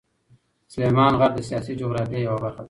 سلیمان غر د سیاسي جغرافیه یوه برخه ده.